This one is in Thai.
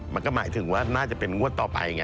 มันก็หมายถึงว่าน่าจะเป็นงวดต่อไปไง